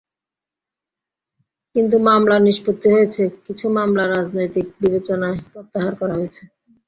কিছু মামলা নিষ্পত্তি হয়েছে, কিছু মামলা রাজনৈতিক বিবেচনায় প্রত্যাহার করা হয়েছে।